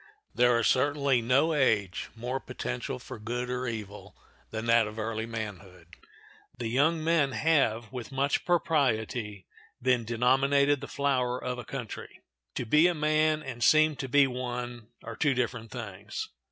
There is certainly no age more potential for good or evil than that of early manhood. The young men have, with much propriety, been denominated the flower of a country. To be a man and seem to be one are two different things.